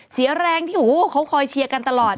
เสียแรงที่เขาคอยเชียร์กันตลอด